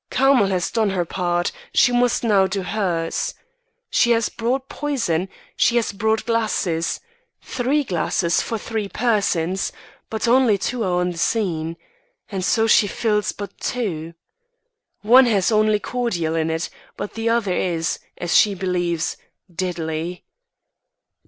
Carmel has done her part; she must now do hers. She has brought poison; she has brought glasses three glasses, for three persons, but only two are on the scene, and so she fills but two. One has only cordial in it, but the other is, as she believes, deadly.